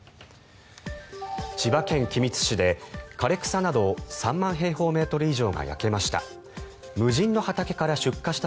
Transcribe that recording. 千葉県君津市で枯れ草など３万平方メートル以上が焼けました。